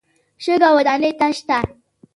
شګه ودانۍ ته شته.